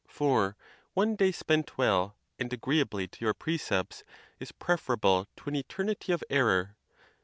For one day spent well, and agreeably to your precepts, is preferable to an eternity of error.